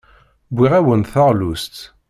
Wwiɣ-awen-d taɣlust.